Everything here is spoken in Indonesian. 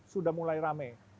sudah mulai rame